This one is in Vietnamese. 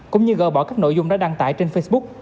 cũng như gờ bỏ các nội dung đã đăng tải trên facebook